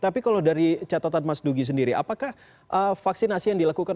tapi kalau dari catatan mas dugi sendiri apakah vaksinasi yang dilakukan